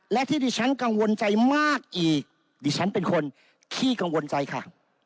และที่ดิฉันกังวลใจมากอีกดิฉันเป็นคนขี้กังวลใจค่ะ